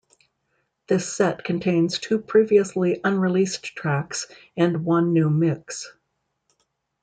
This set contains two previously unreleased tracks and one new mix.